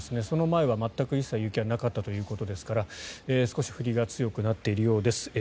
その前は全く一切雪はなかったということですから少し降りが強くなっているようです。